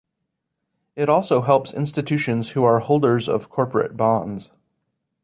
It also helps institutions who are holders of corporate bonds.